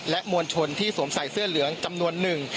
มวลชนที่สวมใส่เสื้อเหลืองจำนวนหนึ่ง